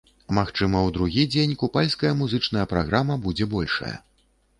Магчыма, у другі дзень купальская музычная праграма будзе большая.